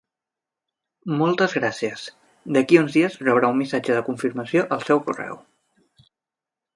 Moltes gràcies, d'aquí a uns dies rebrà un missatge de confirmació al seu correu.